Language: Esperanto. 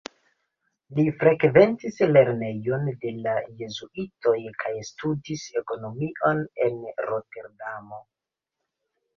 Li frekventis lernejon de la jezuitoj kaj studis ekonomion en Roterdamo.